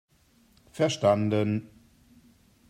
Verstanden!